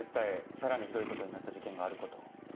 さらにひどいことになった事件があることを。